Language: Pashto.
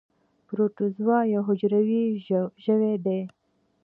پروټوزوا یو حجروي ژوي دي